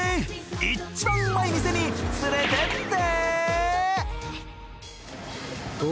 一番うまい店に連れてって！